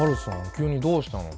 急にどうしたの？